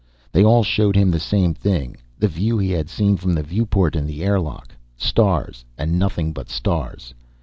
They all showed him the same thing the view he had seen from the viewport in the airlock: stars, and nothing but stars.